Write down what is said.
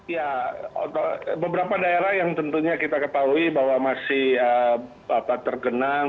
ya beberapa daerah yang tentunya kita ketahui bahwa masih tergenang